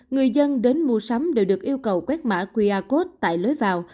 người dân đến mua sắm đều được yêu cầu quét mã qr code tại lối vào